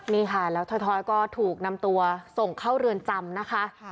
นี่ค่ะแล้วถอยก็ถูกนำตัวส่งเข้าเรือนจำนะคะ